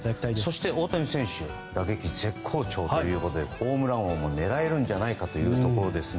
そして、大谷選手打撃絶好調ということでホームラン王も狙えるところですが。